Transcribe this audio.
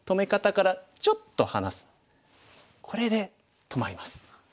これで止まります。